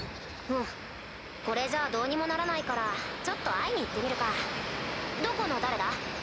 ふむこれじゃどうにもならないからちょっと会いに行ってみるかどこの誰だ？